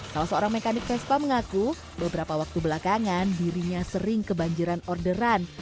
salah seorang mekanik vespa mengaku beberapa waktu belakangan dirinya sering kebanjiran orderan